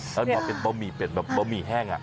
มันเหมือนเป็นบ่มหมี่แห้งค่ะ